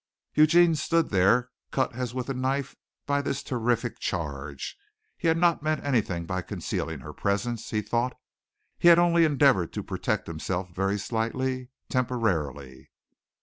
Eugene stood there cut as with a knife by this terrific charge. He had not meant anything by concealing her presence, he thought. He had only endeavored to protect himself very slightly, temporarily.